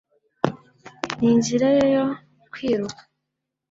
Ninzira ye yo kwiruka